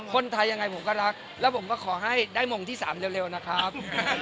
คนไทยยังไงผมก็รักแล้วผมก็ขอให้ได้มงที่๓เร็วนะครับ